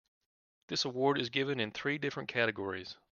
This award is given in three different categories.